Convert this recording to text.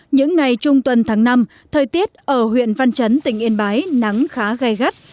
những ngày trung tuần tháng năm thời tiết ở huyện văn chấn tỉnh yên bái nắng khá gai gắt